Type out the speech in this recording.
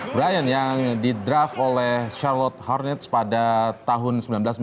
brian yang didraft oleh charlotte hornets pada tahun seribu sembilan ratus sembilan puluh enam